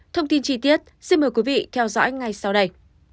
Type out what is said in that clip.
thông tin chi tiết xin mời quý vị theo dõi ngay sau đây